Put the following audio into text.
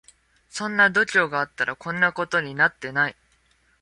そんな度胸があったらこんなことになってない